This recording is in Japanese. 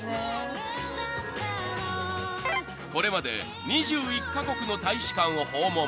［これまで２１カ国の大使館を訪問］